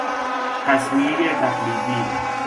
تسمیه تقلیدی